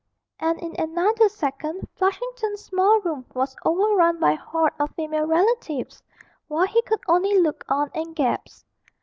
And in another second Flushington's small room was overrun by a horde of female relatives, while he could only look on and gasp.